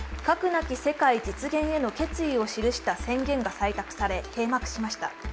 なき世界実現への決意を記した宣言が採択され閉幕しました。